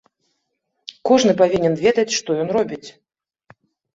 Кожны павінен ведаць, што ён робіць.